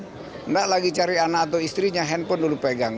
tidak lagi cari anak atau istrinya handphone dulu pegang